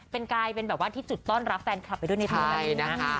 เป็นกายที่จุดต้อนรับแฟนคลับไปด้วยในทางนี้